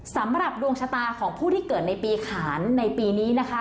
สำหรับดวงชะตาของผู้ที่เกิดในปีขานในปีนี้นะคะ